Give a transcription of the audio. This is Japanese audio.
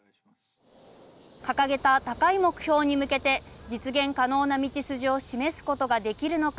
掲げた高い目標に向けて実現可能な道筋を示すことができるのか。